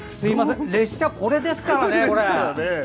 列車、これですからね。